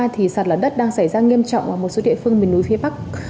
hôm qua thì sạt lả đất đang xảy ra nghiêm trọng ở một số địa phương miền núi phía bắc